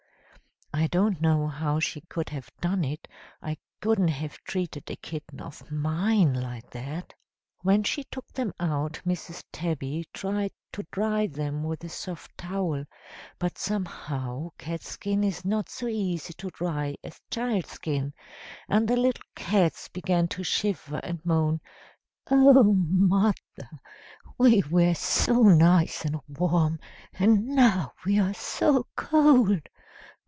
I don't know how she could have done it, I couldn't have treated a kitten of mine like that. "When she took them out, Mrs. Tabby tried to dry them with the soft towel, but somehow catskin is not so easy to dry as child skin, and the little cats began to shiver, and moan: 'Oh, mother, we were so nice and warm, and now we are so cold!